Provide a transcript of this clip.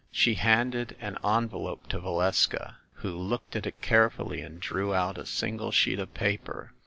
She handed an envelope to Valeska, who looked at it carefully and drew out a single sheet of paper.